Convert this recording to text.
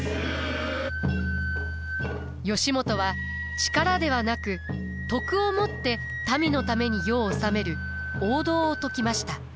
義元は力ではなく徳をもって民のために世を治める王道を説きました。